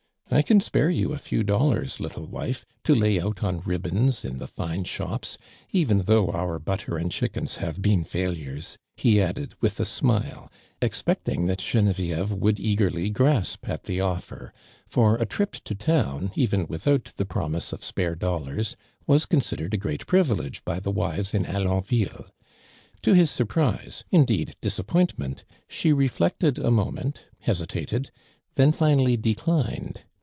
" I can spare you a few dollars, little wife, to lay out on ribbons, in the tine shops, even though our butter and chickens have been failures,'" he added, with a smile, ex pecting that Genevieve would eagerly grasp at the offer ; for a trip to town, even with out the promise of spare dollars, was con sidered a great privilege by the wives in Alonville. To his surprise, indeed, disap pointment, she reflected a moment, hesita ted, then finally declined.